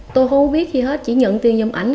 tôi không biết gì hết chỉ nhận tiền giùm ảnh